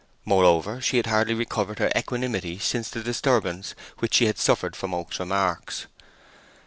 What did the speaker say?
Moreover, she had hardly recovered her equanimity since the disturbance which she had suffered from Oak's remarks.